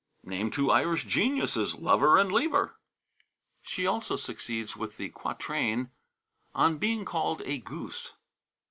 Name two Irish geniuses, Lover and Lever!" She also succeeds with the quatrain: ON BEING CALLED A GOOSE.